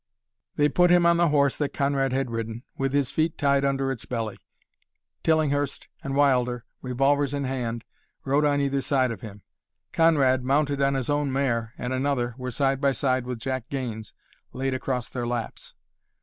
They put him on the horse that Conrad had ridden, with his feet tied under its belly. Tillinghurst and Wilder, revolvers in hand, rode on either side of him. Conrad, mounted on his own mare, and another were side by side with Jack Gaines laid across their laps.